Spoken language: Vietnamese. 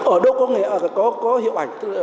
ở đâu có hiệu ảnh